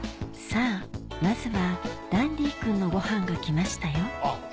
さぁまずはダンディ君のごはんが来ましたよ